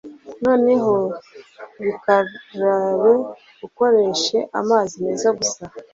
Noneho bikarabe ukoreshe amazi meza gusa